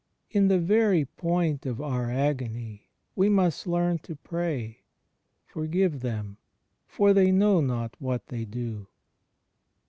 In the very point of our agony we must learn to pray. Forgive them, for they know not what they do.